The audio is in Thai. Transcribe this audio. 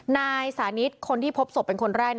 นายสานิทคนที่พบศพเป็นคนแรก